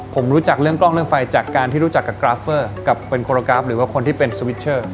ผมรู้จักเรื่องกล้องเรื่องไฟจากการที่รู้จักกับกราฟเฟอร์กับเป็นโคโรกราฟหรือว่าคนที่เป็นสวิตชเชอร์